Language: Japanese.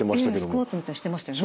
スクワットみたいのしてましたよね。